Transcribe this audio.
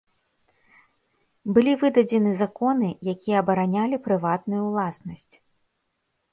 Былі выдадзены законы, якія абаранялі прыватную ўласнасць.